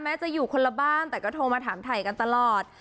จะอยู่คนละบ้านแต่ก็โทรมาถามถ่ายกันตลอด